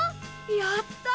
やった！